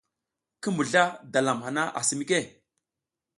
Ki mbuzla dalam hana asi mike ?